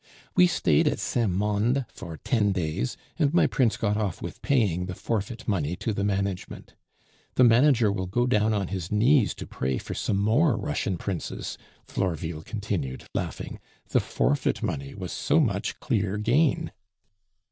"We stayed at Saint Mande for ten days, and my prince got off with paying the forfeit money to the management. The manager will go down on his knees to pray for some more Russian princes," Florville continued, laughing; "the forfeit money was so much clear gain."